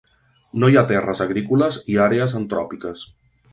No hi ha terres agrícoles i àrees antròpiques.